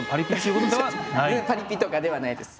パリピとかではないです。